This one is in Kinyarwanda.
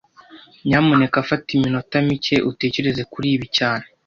Nyamuneka fata iminota mike utekereza kuri ibi cyane